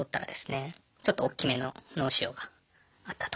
ちょっと大きめの脳腫瘍があったと。